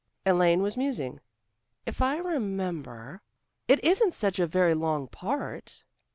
Elaine was musing. "If I remember, it isn't such a very long part."